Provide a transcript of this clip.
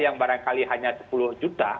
yang barangkali hanya sepuluh juta